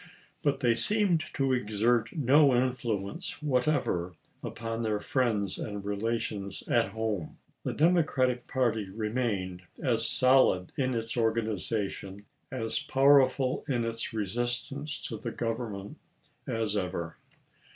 But they seemed to exert no influence whatever upon their friends and relations at home. The Democratic party remained as solid in its organization, as powerful in its resistance to the Government, as ever.